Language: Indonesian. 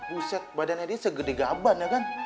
buset badannya ini segede gaban ya kan